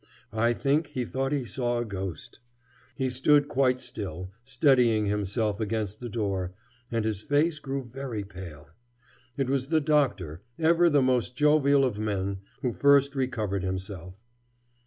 I think he thought he saw a ghost. He stood quite still, steadying himself against the door, and his face grew very pale. It was the doctor, ever the most jovial of men, who first recovered himself.